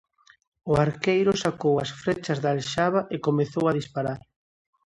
O arqueiro sacou as frechas da alxaba e comezou a disparar.